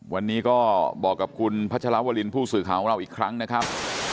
วันนี้ก็บอกกับคุณพัชรวรินผู้สื่อข่าวของเราอีกครั้งนะครับ